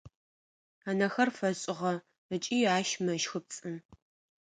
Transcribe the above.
Ынэхэр фэшӏыгъэ ыкӏи ар мэщхыпцӏы.